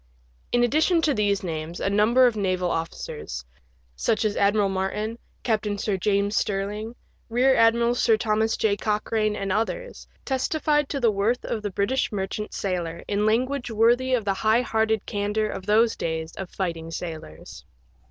In addition to these names a number of naval officers — such as Admiral Martin, Captain Sir James Stirling, Bear Admiral Sir Thomas THE BRITISH SAILOR, 1G3 J. Cocbrane, and others, testified to the worth of the British merchant sailor in language worthy of the high hearted candour of those days of fighting sailors.